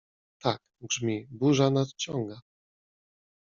— Tak, grzmi, burza nadciąga.